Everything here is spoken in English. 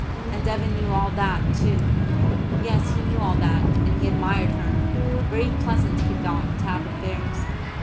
And Evan knew all that too. Yes, he knew all that; and he admired her. Very pleasant, he thought, to have affairs.